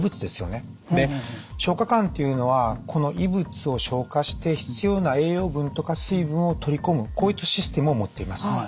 で消化管っていうのはこの異物を消化して必要な栄養分とか水分を取り込むこういったシステムを持っています。